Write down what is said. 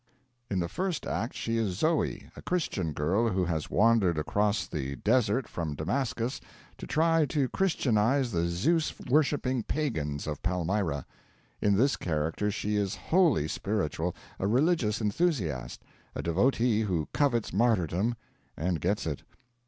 In the first act she is Zoe a Christian girl who has wandered across the desert from Damascus to try to Christianise the Zeus worshipping pagans of Palmyra. In this character she is wholly spiritual, a religious enthusiast, a devotee who covets martyrdom and gets it.